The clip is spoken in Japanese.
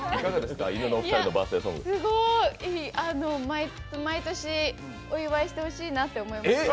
すごい、毎年お祝いしてほしいなって思いました。